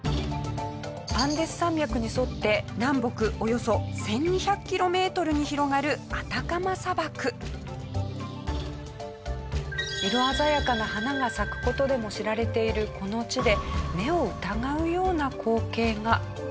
アンデス山脈に沿って南北およそ１２００キロメートルに広がる色鮮やかな花が咲く事でも知られているこの地で。